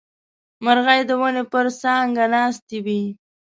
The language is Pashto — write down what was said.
مرغۍ د ونې پر څانګه ناستې وې.